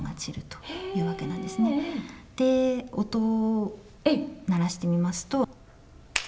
音を鳴らしてみますと。